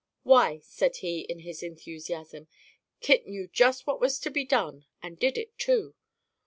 "Why," said he in his enthusiasm, "Kit knew just what was to be done and did it too.